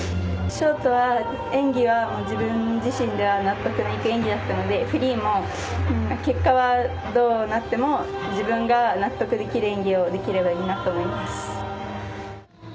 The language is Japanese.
ショートは演技は自分自身では納得のいく演技だったのでフリーも結果はどうなっても自分が納得できる演技をできればいいなと思います。